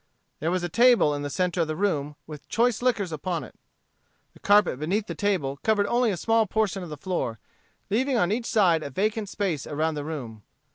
There was a table in the centre of the room, with choice liquors upon it. The carpet beneath the table covered only a small portion of the floor, leaving on each side a vacant space around the room.